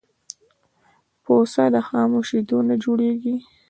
پوڅه د خامو شیدونه جوړیږی.